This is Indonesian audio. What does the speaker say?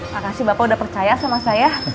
makasih bapak udah percaya sama saya